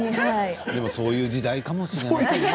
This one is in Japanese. でもそういう時代かもしれないですね。